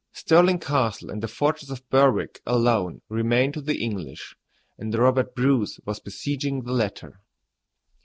Stirling Castle and the Fortress of Berwick alone remained to the English, and Robert Bruce was besieging the latter.